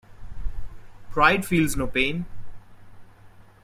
Pride feels no pain.